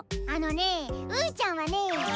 あのねウーちゃんはね。